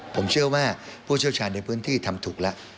ผมเชื่อว่าผู้เชี่ยวชาญในพื้นที่ทำถูกแล้ว